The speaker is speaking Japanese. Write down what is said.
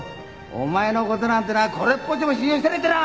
お前のことなんてなこれっぽっちも信用してないってな！